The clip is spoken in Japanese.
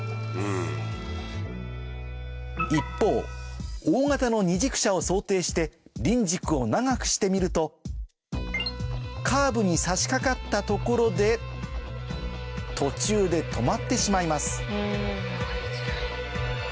一方大型の二軸車を想定して輪軸を長くしてみるとカーブに差し掛かったところで途中で止まってしまいます